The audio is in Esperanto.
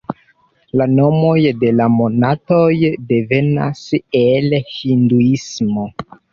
La nomoj de la monatoj devenas el Hinduismo.